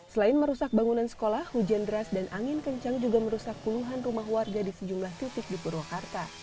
selain merusak bangunan sekolah hujan deras dan angin kencang juga merusak puluhan rumah warga di sejumlah titik di purwakarta